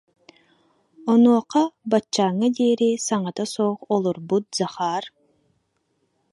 Онуоха баччааҥҥа диэри саҥата суох олорбут Захар: